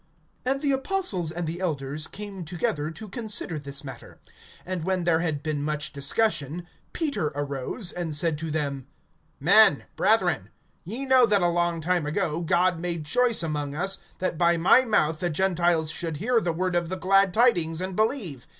(6)And the apostles and the elders came together to consider this matter. (7)And when there had been much discussion, Peter arose, and said to them: Men, brethren, ye know that a long time ago God made choice among us, that by my mouth the Gentiles should hear the word of the glad tidings and believe.